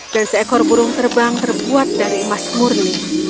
dan seekor burung terbang terbuat dari emas murni